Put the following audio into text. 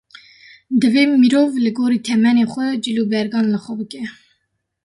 Divê mirov li gorî temenê xwe cil û bergan li xwe bike.